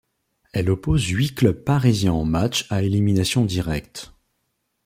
Elle oppose huit clubs parisiens en matchs à élimination directe.